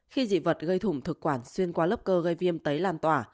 khi dị vật gây thủng thực quản xuyên qua lớp cơ gây viêm tấy lan tỏa